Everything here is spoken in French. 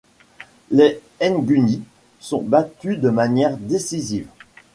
Les Ngunis sont battus de manière décisive.